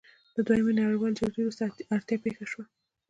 د دویمې نړیوالې جګړې وروسته اړتیا پیښه شوه.